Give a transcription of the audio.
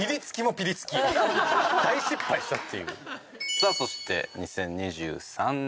さあそして２０２３年。